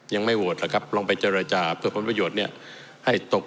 ยังไม่โหวตล่ะครับลองไปเจรจาเพื่อพ้นประโยชน์เนี่ย